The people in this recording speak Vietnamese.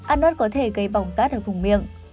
ăn nớt có thể gây bỏng rát ở vùng miệng